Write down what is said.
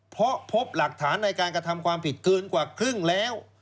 เพราะพบหลักฐานในการกระทำความผิดเกินกว่าครึ่งแล้ว